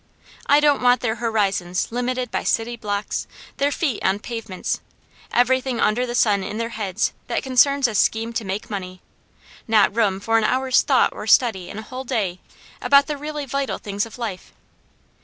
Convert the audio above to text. I don't want their horizons limited by city blocks, their feet on pavements, everything under the sun in their heads that concerns a scheme to make money; not room for an hour's thought or study in a whole day, about the really vital things of life.